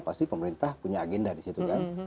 pasti pemerintah punya agenda disitu kan